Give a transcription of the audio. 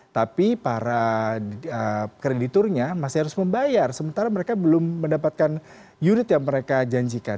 tapi para krediturnya masih harus membayar sementara mereka belum mendapatkan unit yang mereka janjikan